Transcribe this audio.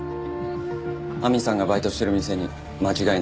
亜美さんがバイトしてる店に間違いない？